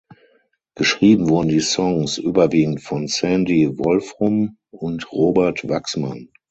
Geschrieben wurden die Songs überwiegend von Sandy Wolfrum und Robert Wachsmann.